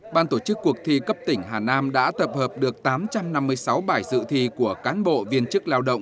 ban tổ chức cuộc thi cấp tỉnh hà nam đã tập hợp được tám trăm năm mươi sáu bài dự thi của cán bộ viên chức lao động